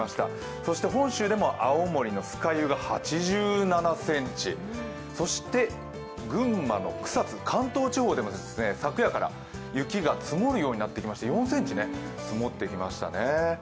そして本州でも青森の酸ヶ湯が８７ｃｍ、そして群馬の草津、関東地方でも昨夜から雪が積もるようになってきまして４ｃｍ積もってきました。